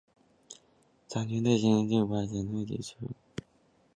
张军对检察机关自身防控还进一步强调指出